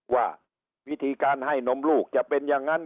ว่าวิธีการให้นมลูกจะเป็นอย่างนั้น